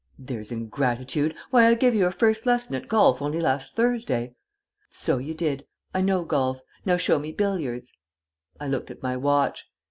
"There's ingratitude. Why, I gave you your first lesson at golf only last Thursday." "So you did. I know golf. Now show me billiards." I looked at my watch.